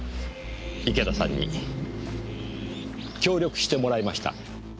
池田さんに協力してもらいました。